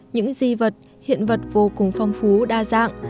những di vật hiện vật vô cùng phong phú đa dạng